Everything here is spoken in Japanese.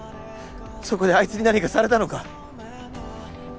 そこであいつに何かされたのか。